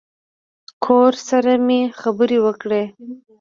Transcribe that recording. کور سره مې خبرې وکړې.